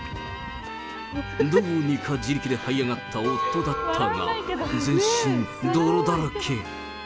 どうにか自力ではい上がった夫だったが、全身泥だらけ。